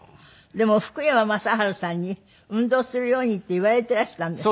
でも福山雅治さんに運動するようにって言われていらしたんですって？